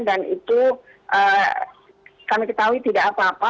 dan itu kami ketahui tidak apa apa